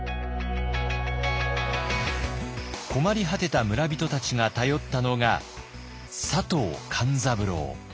困り果てた村人たちが頼ったのが佐藤勘三郎。